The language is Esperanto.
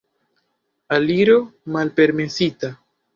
Aliro malpermesita.